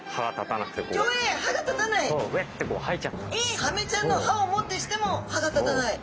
昔サメちゃんの歯をもってしても歯が立たない。